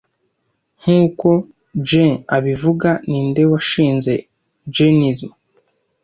Nk’uko Jain abivuga, ninde washinze Jainism